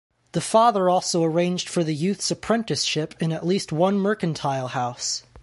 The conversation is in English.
The father also arranged for the youth's apprenticeship in at least one mercantile house.